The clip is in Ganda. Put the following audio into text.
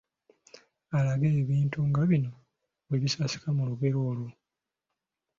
Alage ebintu nga bino bwe bisasika mu lugero olwo